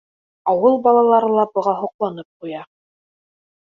Ауыл балалары ла быға һоҡланып ҡуя: